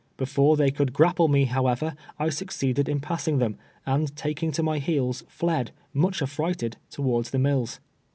Before they could grapple me, however, I succeeded in passing them, and taking to my heels, fled, much aflrighted, towards the mills.